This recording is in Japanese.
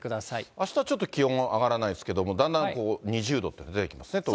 あしたはちょっと気温が上がらないですけども、だんだん２０度というのが出てきますね。